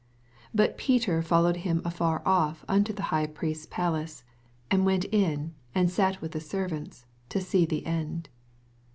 08 But Feter followed him a&r off unto the High Priest's palace, and went in, and sat with the servants, to see the end.